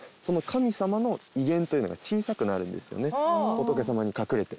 仏様に隠れて。